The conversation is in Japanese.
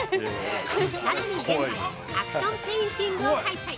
さらに現在、アクションペインティングを開催！